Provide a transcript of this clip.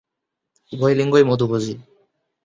উভয় লিঙ্গই মধুভোজী।